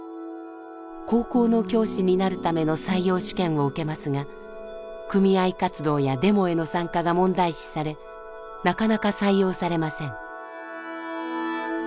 高校の教師になるための採用試験を受けますが組合活動やデモへの参加が問題視されなかなか採用されません。